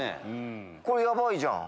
これヤバいじゃん。